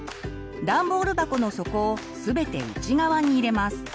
ダンボール箱の底を全て内側に入れます。